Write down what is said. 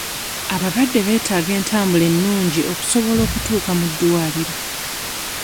Abalwadde beetaaga entambula ennungi okusobola okutuuka mu malwaliro.